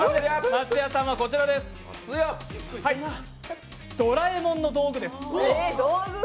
松也さんはドラえもんの道具です。